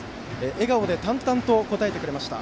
笑顔で淡々と答えてくれました。